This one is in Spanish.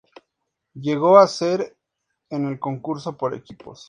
Llegó a ser en el concurso por equipos.